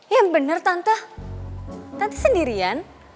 ya bener tante tante sendirian